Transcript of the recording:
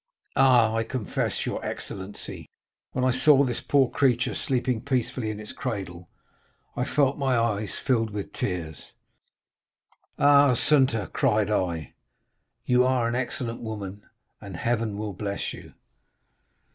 Ah, I confess, your excellency, when I saw this poor creature sleeping peacefully in its cradle, I felt my eyes filled with tears. 'Ah, Assunta,' cried I, 'you are an excellent woman, and Heaven will bless you.